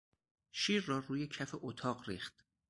شیر را روی کف اتاق ریخت.